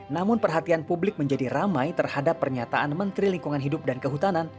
namun perhatian publik menjadi ramai terhadap pernyataan menteri lingkungan hidup dan kehutanan